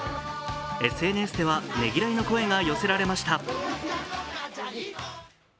ＳＮＳでは、ねぎらいの声が寄せられました。